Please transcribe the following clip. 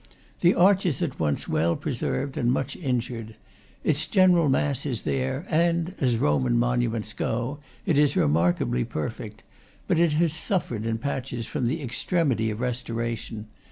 The arch is at once well preserved and much injured. Its general mass is there, and as Roman monuments go it is remarkably perfect; but it has suffered, in patches, from the extremity of restoration.